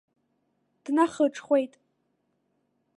Днахыҽхәеит.